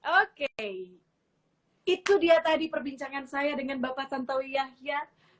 oke itu dia tadi perbincangan saya dengan bapak tantowi yahya